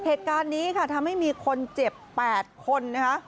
เหตุการณ์นี้ค่ะทำให้มีคนเจ็บ๘คนนะคะ